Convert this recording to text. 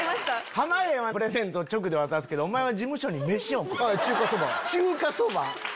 濱家はプレゼント直で渡すけどお前は事務所にメシ送るん？